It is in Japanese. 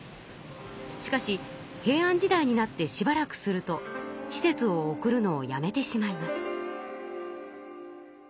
しかし平安時代になってしばらくすると使節を送るのをやめてしまいます。